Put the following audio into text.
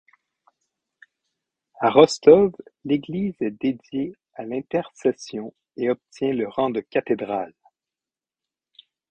À Rostov l’église est dédiée à l’Intercession et obtient le rang de cathédrale.